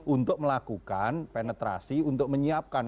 untuk melakukan penetrasi untuk menyiapkan